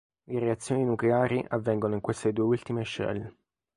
Le reazioni nucleari avvengono in queste due ultime shell.